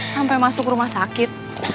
sampai masuk rumah sakit